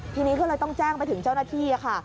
ทีนี้ก็เลยต้องแจ้งไปถึงเจ้าหน้าที่ค่ะ